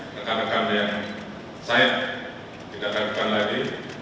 rekan rekan yang saya tidakkan lagi